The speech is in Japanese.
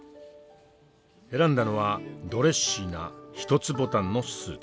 選んだのはドレッシーな１つボタンのスーツ。